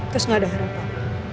terus gak ada harapan